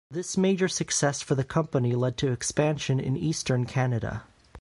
This major success for the company led to expansion in Eastern Canada.